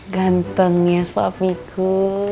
ganteng ya sepapiku